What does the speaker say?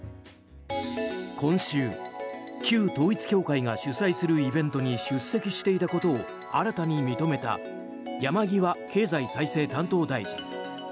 今週、旧統一教会が主催するイベントに出席していたことを新たに認めた山際経済再生担当大臣。